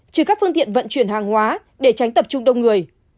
trừ các phương tiện vận chuyển hàng hóa để tránh tập trung đông người